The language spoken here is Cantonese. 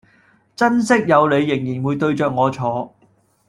珍惜有你仍然會對著我坐